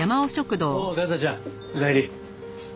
おう和沙ちゃんおかえり。